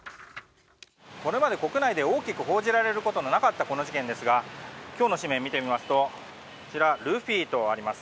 これまで国内で大きく報じられることのなかったこの事件ですが今日の紙面を見てみますとこちら、ルフィとあります。